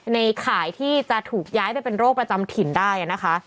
ข่ายที่จะถูกย้ายไปเป็นโรคประจำถิ่นได้นะคะ